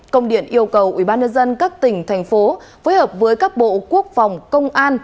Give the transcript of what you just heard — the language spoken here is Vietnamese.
công điện yêu cầu ubnd các tỉnh thành phố phối hợp với các bộ quốc phòng công an